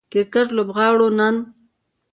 کرکټ لوبغاړو نن